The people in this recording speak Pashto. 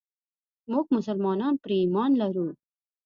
موږ مسلمانان پرې ايمان لرو.